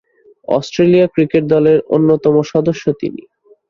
Australia cricket দলের অন্যতম সদস্য তিনি।